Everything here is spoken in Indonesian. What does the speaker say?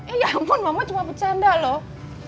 eh ya ampun mama cuma bercanda loh